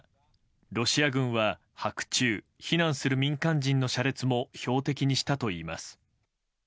ロシア軍は白昼、避難する民間人の車列も標的にしたといいます。